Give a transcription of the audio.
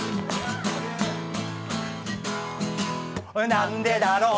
何でだろう。